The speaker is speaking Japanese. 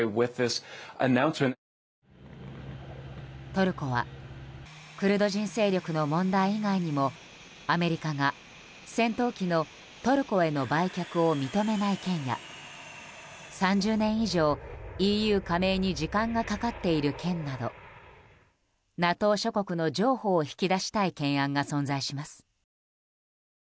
トルコはクルド人勢力の問題以外にもアメリカが戦闘機のトルコへの売却を認めない件や３０年以上、ＥＵ加盟に時間がかかっている件などＮＡＴＯ諸国の譲歩を引き出したい懸案が存在します。